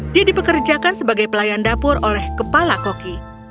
dia dipekerjakan sebagai pelayan dapur oleh kepala koki